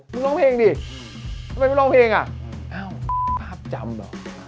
มึงร้องเพลงดิทำไมมึงร้องเพลงอ่ะอ้าวภาพจำเหรอ